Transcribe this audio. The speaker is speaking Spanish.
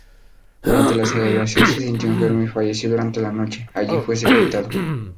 Durante la celebración se sintió enfermo y falleció durante la noche; allí fue sepultado.